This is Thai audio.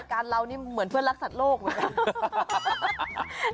การเรานี่เหมือนเพื่อนรักสัตว์โลกเหมือนกัน